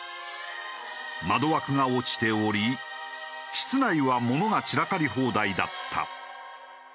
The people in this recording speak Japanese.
窓枠が落ちており室内は物が散らかり放題だった。